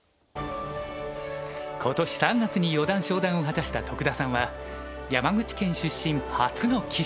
今年３月に四段昇段を果たした徳田さんは山口県出身初の棋士。